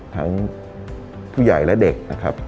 ทั้งผู้ใหญ่และเด็กนะครับ